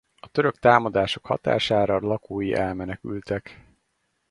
A török támadások hatására lakói elmenekültek.